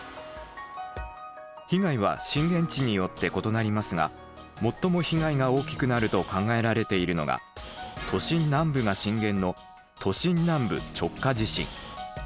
被害は震源地によって異なりますが最も被害が大きくなると考えられているのが都心南部が震源の「都心南部直下地震」。